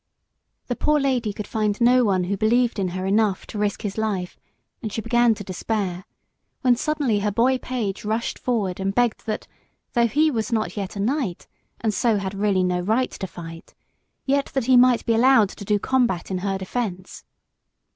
The poor lady could find no one who believed in her enough to risk his life, and she began to despair, when suddenly her boy page rushed forward and begged that, though he was not yet a knight, and so had really no right to fight, yet that he might be allowed to do combat in her defence.